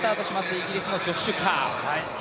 イギリスのジョッシュ・カー。